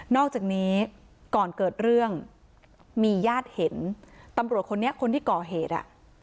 อกจากนี้ก่อนเกิดเรื่องมีญาติเห็นตำรวจคนนี้คนที่ก่อเหตุอ่ะ